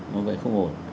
nó có vẻ không ổn